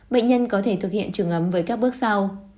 bệnh nhân có thể thực hiện trùng ấm với các bước sau